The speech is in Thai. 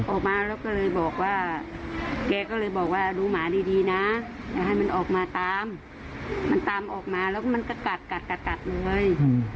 ออกมาแล้วก็เลยบอกว่าแกก็เลยบอกว่าดูหมาดีนะอย่าให้มันออกมาตามมันตามออกมาแล้วก็มันก็กัดกัดเลย